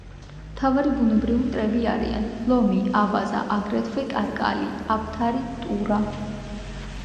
მთავარი ბუნებრივი მტრები არიან: ლომი, ავაზა, აგრეთვე კარაკალი, აფთარი, ტურა.